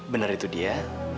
bener itu dia